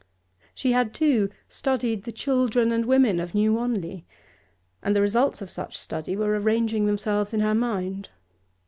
She had, too, studied the children and the women of New Wanley, and the results of such study were arranging themselves in her mind.